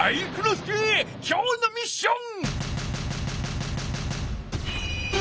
介きょうのミッション！